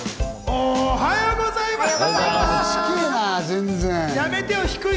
おはようございます。